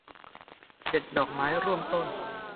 เด็ดดอกไม้ร่วมต้น